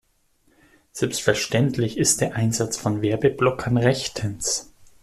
Selbstverständlich ist der Einsatz von Werbeblockern rechtens.